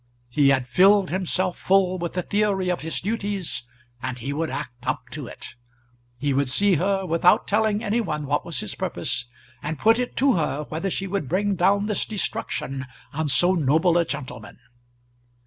He had filled himself full with the theory of his duties, and he would act up to it. He would see her, without telling any one what was his purpose, and put it to her whether she would bring down this destruction on so noble a gentleman.